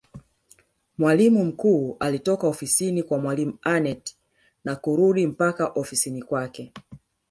Mwalimu mkuu alitoka ofisini kwa mwalimu Aneth na kurudi mpaka ofisini kwake